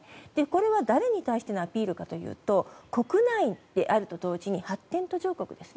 これは誰に対してのアピールかというと国内であると同時に発展途上国です。